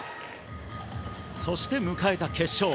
そして迎えた決勝。